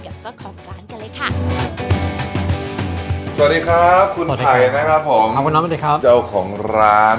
กับเจ้าของร้านกันเลยค่ะ